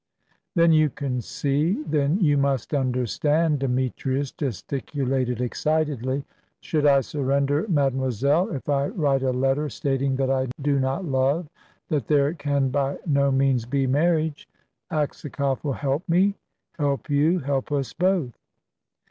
"Then you can see then you must understand," Demetrius gesticulated excitedly. "Should I surrender Mademoiselle if I write a letter stating that I do not love, that there can by no means be marriage Aksakoff will help me, help you, help us both."